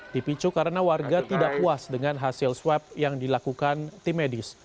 dipicu karena warga tidak puas dengan hasil swab yang dilakukan tim medis